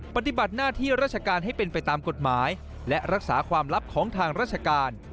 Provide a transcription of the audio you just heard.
ปฏิบัติหน้าที่ราชการให้เป็นไปตามกฎหมายและรักษาความลับของทางราชการ